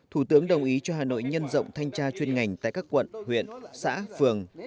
thủ tướng đồng ý cho hà nội nhân rộng thanh tra chuyên ngành tại các quận huyện xã phường